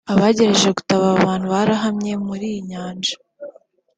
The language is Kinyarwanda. Abagerageje gutabara aba bantu barohamye muri iyi Nyanja